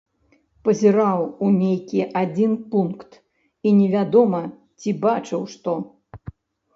Пазіраў у нейкі адзін пункт, і невядома, ці бачыў што.